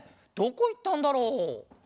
どこいったんだろう？